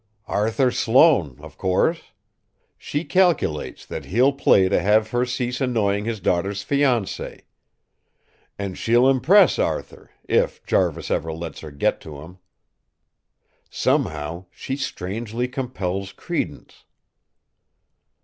"Arthur Sloane, of course. She calculates that he'll play to have her cease annoying his daughter's fiancé. And she'll impress Arthur, if Jarvis ever lets her get to him. Somehow, she strangely compels credence."